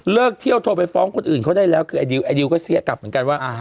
เที่ยวโทรไปฟ้องคนอื่นเขาได้แล้วคือไอดิวไอดิวก็เสียกลับเหมือนกันว่า